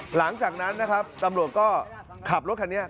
หลังจากนั้นนะครับตำรวจก็ขับรถคันนี้